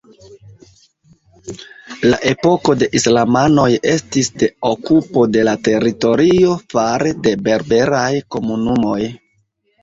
La epoko de islamanoj estis de okupo de la teritorio fare de berberaj komunumoj.